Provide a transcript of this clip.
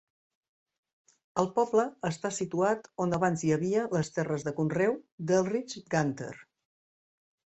El poble està situat on abans hi havia les terres de conreu d'Elridge Gunter.